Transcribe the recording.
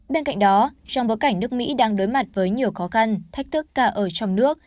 bên cạnh đó trong bối cảnh nước mỹ đang đối mặt với nhiều khó khăn thách thức cả ở trong nước